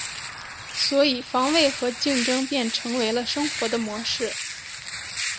所以防卫和竞争便成为了生活的模式。